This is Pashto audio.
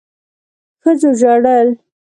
ښځو ژړل